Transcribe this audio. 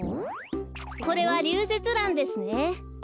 これはリュウゼツランですね。